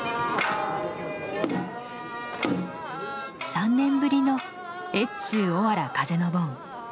３年ぶりの越中おわら風の盆。